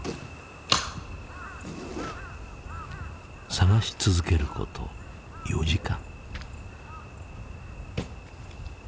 探し続けること４時間。